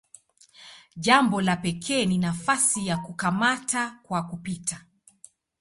Jambo la pekee ni nafasi ya "kukamata kwa kupita".